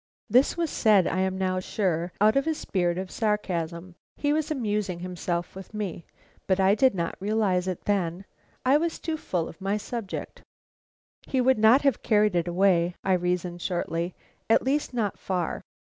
This was said, I am now sure, out of a spirit of sarcasm. He was amusing himself with me, but I did not realize it then. I was too full of my subject. "He would not have carried it away," I reasoned shortly, "at least not far.